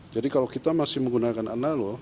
jadi kalau kita masih menggunakan analog